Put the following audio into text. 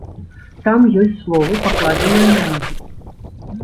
Там ёсць словы, пакладзеныя на музыку.